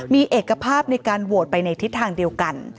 มีเอกภาพในการโหวตไปในทิศทางเดียวกัน